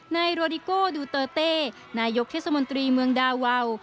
นายโรดิโก้ดูเตอร์เต้นายกเทศมนตรีเมืองดาวาว